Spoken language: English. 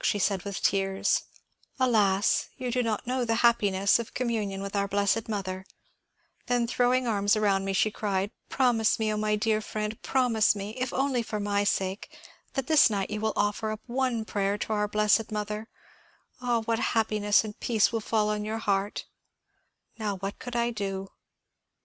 n 268 MONCURE DANIEL CONWAY she said with tears, ^ Alas, you do not know the happiness of communion with our blessed Mother I ' Then throwing arms around me she cried, ^ Promise me, O my dear friend, pro mise me — if only for my sake — that this night you will offer up one prayer to our blessed Mother I Ah, what happiness and peace will fall on your heart I ' Now what could I do